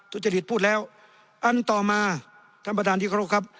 ทุจริตพูดแล้วอันต่อมาท่านประธานที่เคารพครับ